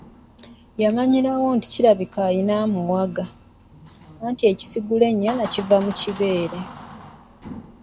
Yamanyirawo nti alabika alina amuwaga, anti ekisigula ennyana kiva mu kibeere.